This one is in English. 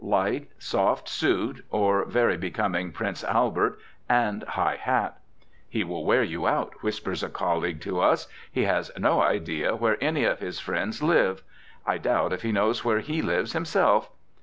Light, soft suit, or very becoming Prince Albert, and high hat. "He will wear you out," whispers a colleague to us; "he has no idea where any of his friends live. I doubt if he knows where he lives himself."